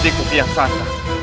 adikku piang santan